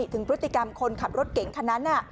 ถึงพฤติกรรมคนขับรถเก่งคันนั้น